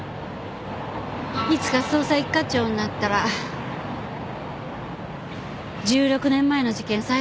いつか捜査一課長になったら１６年前の事件を再捜査するって。